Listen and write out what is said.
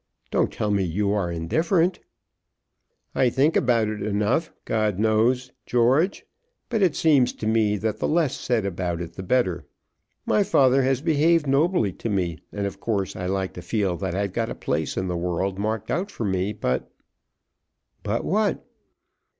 Don't tell me that you are indifferent." "I think enough about it, God knows, George. But it seems to me that the less said about it the better. My father has behaved nobly to me, and of course I like to feel that I've got a place in the world marked out for me. But " "But what?"